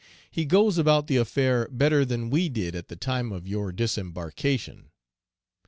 He goes about the affair better than we did at the time of your disembarkation.